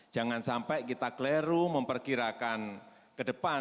jangan sampai kita kleru memperkirakan ke depan